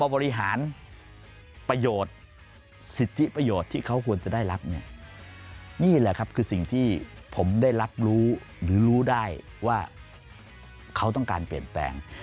บริหารประโยชน์สิทธิประโยชน์ที่เขาควรจะได้รับเนี่ยนี่แหละครับคือสิ่งที่ผมได้รับรู้หรือรู้ได้ว่าเขาต้องการเปลี่ยนแปลง